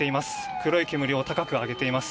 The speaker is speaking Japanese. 黒い煙を高く上げています。